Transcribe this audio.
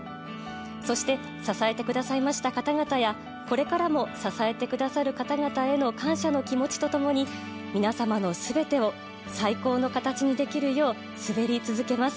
そして支えてくださいました方々やこれからも支えてくださる方々への感謝の気持ちと共に皆様の全てを最高の形にできるよう滑り続けます。